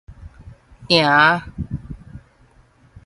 埕